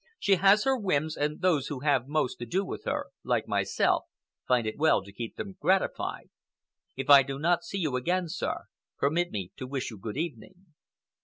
She has her whims, and those who have most to do with her, like myself, find it well to keep them gratified. If I do not see you again, sir, permit me to wish you good evening."